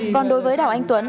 còn đối với đào anh tuấn